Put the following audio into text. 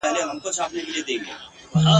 او چي شکر کړي د خدای پر نعمتونو !.